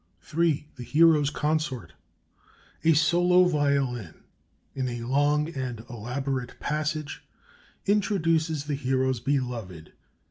III. THE HERO'S CONSORT A solo violin, in a long and elaborate passage, introduces the Hero's beloved.